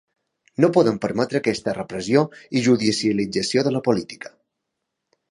No podem permetre aquesta repressió i judicialització de la política.